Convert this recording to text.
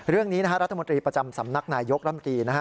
เรื่องนี้รัฐมนตรีประจำสำนักนายยกรัมกีร์